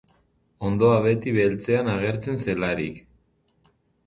Hondoa beti beltzean agertzen zelarik.